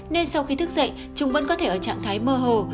nên sau khi thức dậy chúng vẫn có thể ở trạng thái mơ hồ